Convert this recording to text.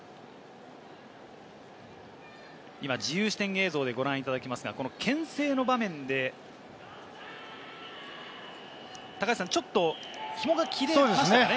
今、自由視点映像でご覧いただきますが、けん制の場面で、高橋さん、ちょっと紐が切れましたね。